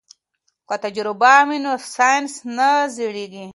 که تجربه وي نو ساینس نه زړیږي.